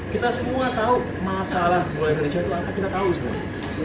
kita semua tahu masalah bumn itu apa kita tahu semuanya